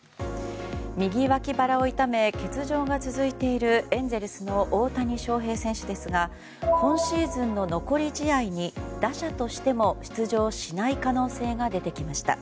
右脇腹を痛め欠場が続いているエンゼルスの大谷翔平選手ですが今シーズンの残り試合に打者としても出場しない可能性が出てきました。